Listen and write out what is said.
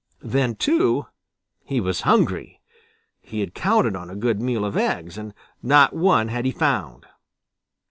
Then, too, he was hungry. He had counted on a good meal of eggs, and not one had he found.